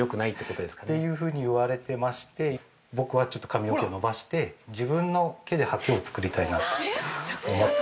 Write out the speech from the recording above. ◆というふうに言われてまして僕はちょっと髪の毛伸ばして自分の毛でハケを作りたいなと思って。